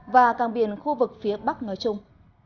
và cảng biển khu vực phía bắc nói chung